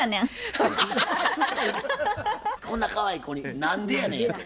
こんなかわいい子に「何でやねん」やて。